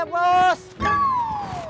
hup hup hup